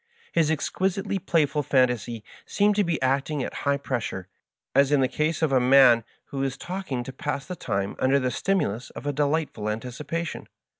His exquisitely playful fantasy seemed to be acting at high pressure, as in the case of a man who is talking to pass the time under the stimulus of a delightful anticipation.